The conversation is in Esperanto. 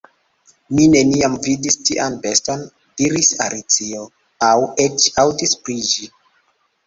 "Mi neniam vidis tian beston," diris Alicio, "aŭ eĉ aŭdis pri ĝi."